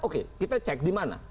oke kita cek dimana